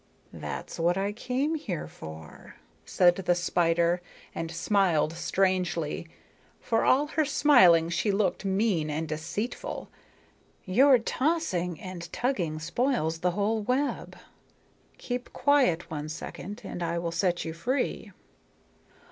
"That's what I came here for," said the spider, and smiled strangely. For all her smiling she looked mean and deceitful. "Your tossing and tugging spoils the whole web. Keep quiet one second, and I will set you free."